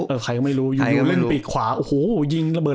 แบบใครก็ไม่รู้ใครก็ไม่รู้เล่นปีกขวาโอโหยิงระเบิด